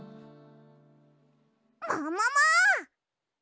ももも！